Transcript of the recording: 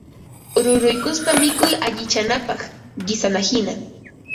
ruyruykuspa mikuy allichanapaq, qisanahina